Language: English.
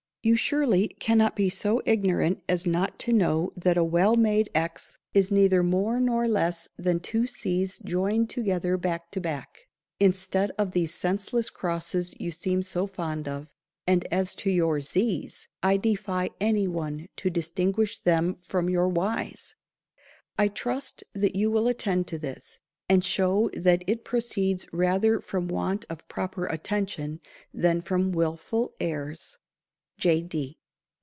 You surely cannot be so ignorant as not to know that a well made x is neither more nor less than two c's joined together back to back, instead of these senseless crosses you seem so fond of; and as to _your z's, _I defy any one to distinguish them from your y's. _I trust you will attend to this, and show that it _proceeds _rather from want of proper attention than from wilful airs. J.